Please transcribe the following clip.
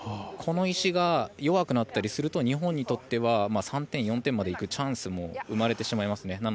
この石が弱くなったりすると日本にとっては３点４点までいくチャンスも生まれてしまいますね。